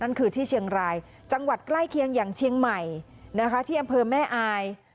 นั่นคือที่เชียงรายจังหวัดใกล้เคียงอย่างเชียงใหม่นะคะที่อำเภอแม่อาย